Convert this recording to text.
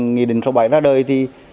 nghị định số bảy ra đời thì